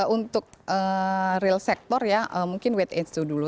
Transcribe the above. untuk real sector ya mungkin wait and see dulu